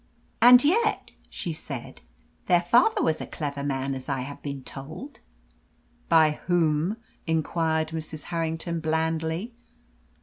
"And yet," she said, "their father was a clever man as I have been told." "By whom?" inquired Mrs. Harrington blandly.